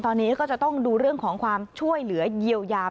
ตอนนี้ก็จะต้องดูเรื่องของความช่วยเหลือเยียวยา